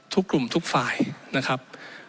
ทุกกลุ่มทุกฝ่ายนะครับ